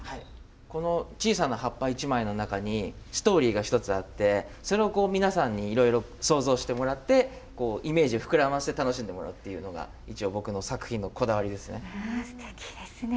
この小さな葉っぱ１枚の中にストーリーが一つあって、それを皆さんにいろいろ想像してもらって、イメージを膨らませて楽しんでもらうというのが、一応、僕の作品のこだわりですね。